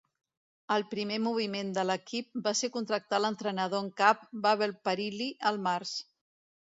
El primer moviment de l'equip va ser contractar l'entrenador en cap Bable Parilli el març.